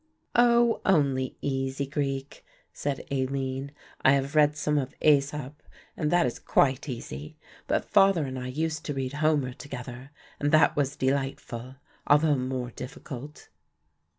"Oh, only easy Greek," said Aline. "I have read some of Aesop and that is quite easy, but father and I used to read Homer together and that was delightful although more difficult."